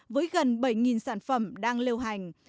với gần bảy sản phẩm đang lêu hành